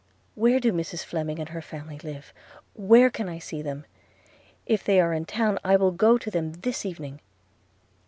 – Where do Mrs Fleming and her family live? – Where can I see them? – If they are in town I will go to them this evening.'